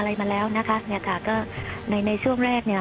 อะไรมาแล้วนะคะในช่วงแรก